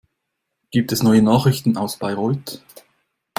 Gibt es neue Nachrichten aus Bayreuth?